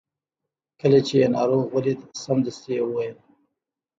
کله چې یې ناروغ ولید سمدستي یې وویل.